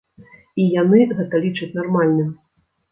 І яны гэта лічаць нармальным.